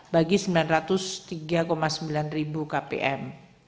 bagi sembilan ratus tiga sembilan ribu kpm